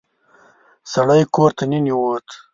سړی کور ته ننوت.